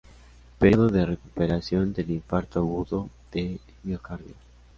Período de recuperación del infarto agudo de miocardio.